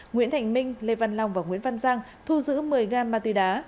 nguyễn thành minh lê văn long và nguyễn văn giang thu giữ một mươi gam ma túy đá